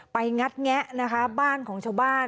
งัดแงะนะคะบ้านของชาวบ้าน